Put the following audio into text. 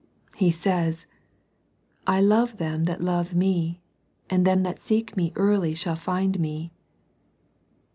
He says, —" I love them that love Me, and them that seek Me early shall find Me."